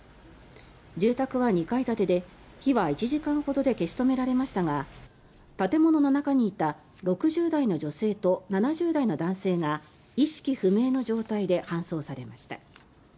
住宅は２階建てで火は１時間ほどで消し止められましたが建物の中にいた６０代の女性と７０代の男性が意識不明の状態で搬送されました。